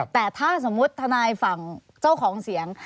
แต่ถ้าสมมุติทนายฝั่งเจ้าของเสียง